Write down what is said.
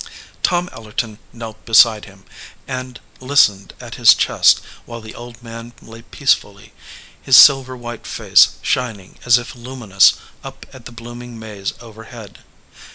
Tom Ellerton knelt beside him, and listened at his chest, while the old man lay peacefully, his sil ver white face shining as if luminous up at the blooming maze overhead.